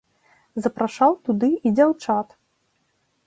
Запрашаў туды і дзяўчат.